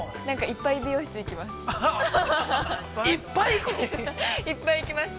◆いっぱい美容室に行きます。